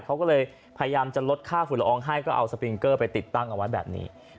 เขาก็เลยพยายามจะลดค่าฝุ่นละอองให้ก็เอาสปิงเกอร์ไปติดตั้งเอาไว้แบบนี้